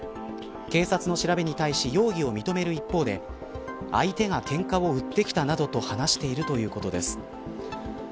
警察の調べに対し容疑を認める一方で相手がけんかを売ってきたなどと話しているということです。